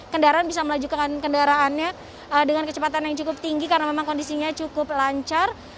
kendaraan bisa melaju ke kendaraannya dengan kecepatan yang cukup tinggi karena memang kondisinya cukup lancar